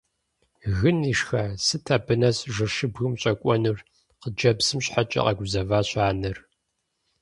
Гын ишха, сыт абы нэс жэщыбгым щӀэкӀуэнур? – хъыджэбзым щхьэкӀэ къэгузэващ анэр.